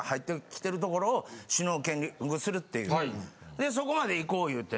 でそこまで行こう言うて。